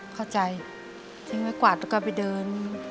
เข้าใจทิ้งไว้กวาดแล้วก็ไปเดิน